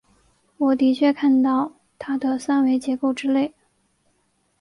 我的确看到它的三维结构之类。